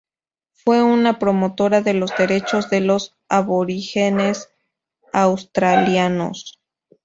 Fue una promotora de los derechos de los aborígenes australianos.